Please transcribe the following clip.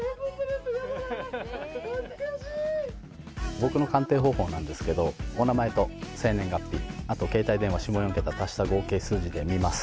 僕の鑑定方法なんですけどお名前と生年月日あと携帯電話下４桁足した合計数字で見ます。